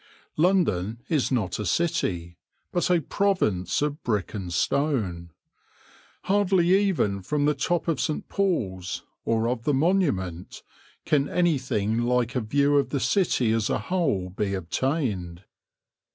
London is not a city, but a province of brick and stone. Hardly even from the top of St. Paul's or of the Monument can anything like a view of the city as a whole be obtained.